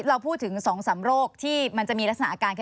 เราพูดถึง๒๓โรคที่มันจะมีลักษณะอาการ